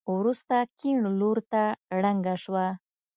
وروسته کيڼ لورته ړنګه شوه.